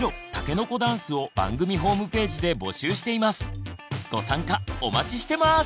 番組ではご参加お待ちしてます！